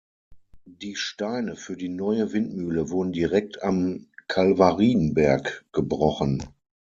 Die Steine für die neue Windmühle wurden direkt am Kalvarienberg gebrochen.